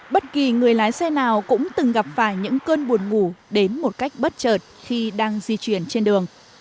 bất kỳ người lái xe nào cũng từng gặp phải những cơn buồn ngủ đến một cách bất chợt khi đang di chuyển trên đường